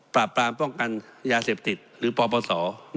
ปราบปรามป้องกันยาเสพติดหรือปปศ